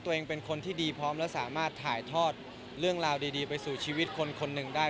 ตัวเองเป็นคนที่ดีพร้อมและสามารถถ่ายทอดเรื่องราวดีไปสู่ชีวิตคนหนึ่งได้